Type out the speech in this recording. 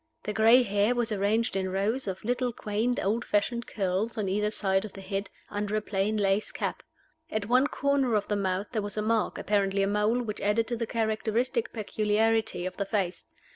The gray hair was arranged in rows of little quaint old fashioned curls on either side of the head, under a plain lace cap. At one corner of the mouth there was a mark, apparently a mole, which added to the characteristic peculiarity of the face.